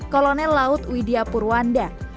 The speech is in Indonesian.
kolonel laut widya purwanda